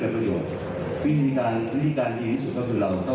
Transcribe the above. แต่ว่าอีกสองขั้นแปลงว่าเรานี่คือแตกหักเลยเหรอครับพี่ผมผมไม่ได้แบ่งว่าผมแตกหัก